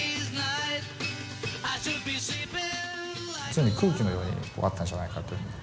常に空気のようにあったんじゃないかというふうに。